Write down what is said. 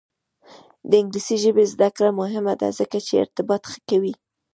د انګلیسي ژبې زده کړه مهمه ده ځکه چې ارتباط ښه کوي.